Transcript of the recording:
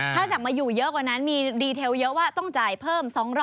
ถ้ากลับมาอยู่เยอะกว่านั้นมีดีเทลเยอะว่าต้องจ่ายเพิ่ม๒๐๐